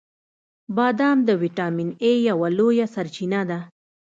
• بادام د ویټامین ای یوه لویه سرچینه ده.